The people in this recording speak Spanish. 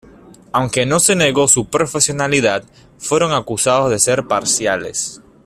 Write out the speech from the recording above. Aunque no se negó su profesionalidad, fueron acusados de ser parciales.